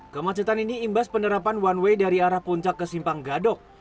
kemacetan ini imbas penerapan one way dari arah puncak ke simpang gadok